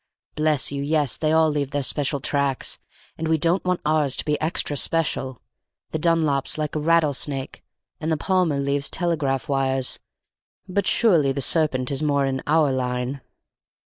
Bless you, yes, they all leave their special tracks, and we don't want ours to be extra special; the Dunlop's like a rattlesnake, and the Palmer leaves telegraph wires, but surely the serpent is more in our line."